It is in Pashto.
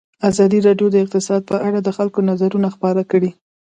ازادي راډیو د اقتصاد په اړه د خلکو نظرونه خپاره کړي.